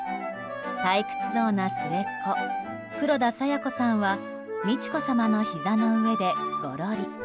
退屈そうな末っ子黒田清子さんは美智子さまのひざの上でごろり。